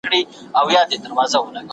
تاسي ولي داسي غښتلي ځوانان یاست؟